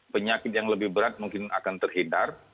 penyakit yang lebih berat mungkin akan terhindar